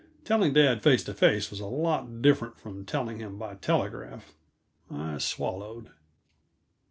Telling dad face to face was a lot different from telling him by telegraph. I swallowed.